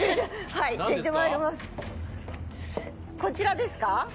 こちらですか？